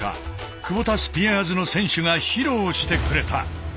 クボタスピアーズの選手が披露してくれた。